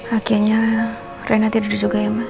akhirnya reina tidur juga ya mas